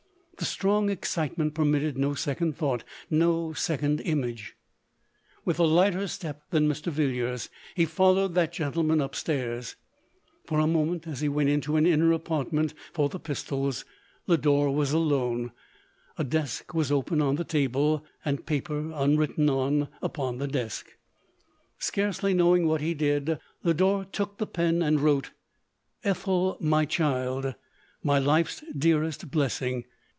The strong excitement permitted no second thought — no second image. With a lighter step than Mr. Villiers, he fol lowed that gentleman up stairs. For a moment, as he went into an inner apartment for the pis tols, Lodore was alone : a desk was open on the table; and paper, unwritten on, upon the desk. Scarcely knowing what he did, Lodore took the pen, and wrote — "Ethel, my child! my life's dearest blessing